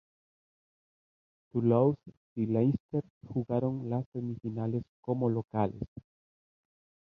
Toulouse y Leinster jugaron las semifinales como locales.